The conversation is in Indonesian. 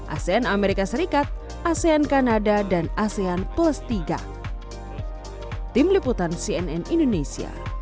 asean amerika serikat asean kanada dan asean plus tiga